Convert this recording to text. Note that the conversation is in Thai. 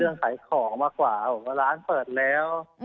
เรื่องขายของมากกว่าร้านเปิดแล้ว